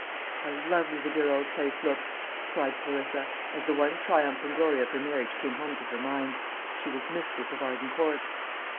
"How lovely the dear old place looks!" cried Clarissa, as the one triumph and glory of her marriage came home to her mind: she was mistress of Arden Court.